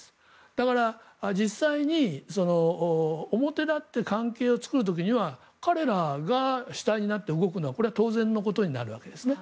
だから、実際に表立って関係を作る時には彼らが主体になって動くのは当然のことになるわけですね。